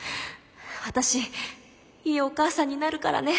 私いいお母さんになるからね。